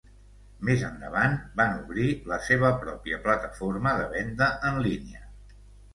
Més endavant van obrir la seva pròpia plataforma de venda en línia.